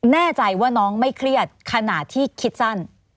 แน่ใจว่าน้องไม่เครียดขนาดที่คิดสั้น